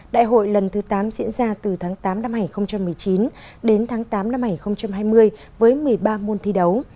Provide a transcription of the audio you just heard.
đại hội lần thứ tám diễn ra từ tháng tám năm hai nghìn một mươi chín đến tháng tám năm hai nghìn hai mươi với một mươi ba môn thi đấu